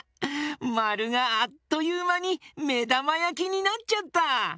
まるがあっというまにめだまやきになっちゃった！